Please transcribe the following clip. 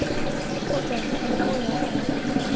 后转任礼部员外郎。